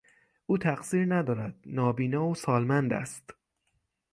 او تقصیر ندارد، نابینا و سالمند است.